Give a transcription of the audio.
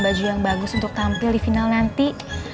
baju yang bagus untuk tampil di final nanti